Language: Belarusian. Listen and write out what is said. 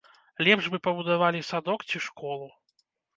Лепш бы пабудавалі садок ці школу.